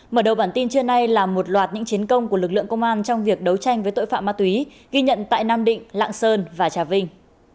mở đầu bản tin trưa nay là một loạt những chiến công của lực lượng công an trong việc đấu tranh với tội phạm ma túy ghi nhận tại nam định lạng sơn và trà vinh